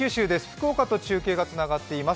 福岡と中継がつながっています。